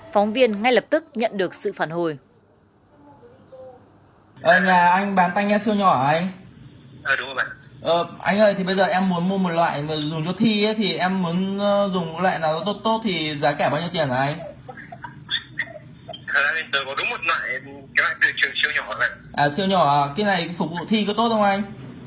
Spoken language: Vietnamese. phóng viên ngay lập tức nhận được sự phản hồi